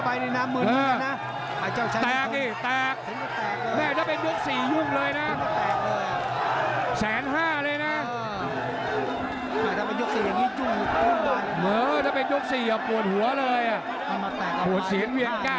วันนี้วันนี้